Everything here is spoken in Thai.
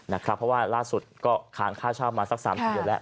เพราะว่าล่าสุดก็ค้างค่าเช่ามาสัก๓เดือนแล้ว